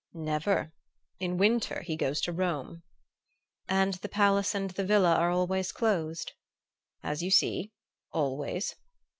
"Never. In winter he goes to Rome." "And the palace and the villa are always closed?" "As you see always."